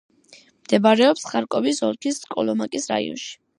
მდებარეობს ხარკოვის ოლქის კოლომაკის რაიონში.